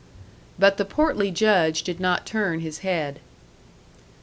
But the portly Judge did not turn his head.